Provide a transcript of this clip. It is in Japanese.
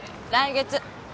来月。